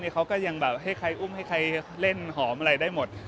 เขาก็ยังแบบให้ใครอุ้มให้ใครเล่นหอมอะไรได้หมด